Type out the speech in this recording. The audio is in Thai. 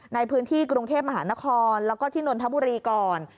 ในพื้นที่กรุงเทพมหานครแล้วก็ที่นนทบุรีก่อน